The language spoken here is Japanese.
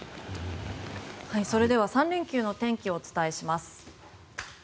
それでは３連休の天気をお伝えします。